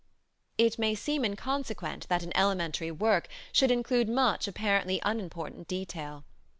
It may seem inconsequent that an elementary work should include much apparently unimportant detail.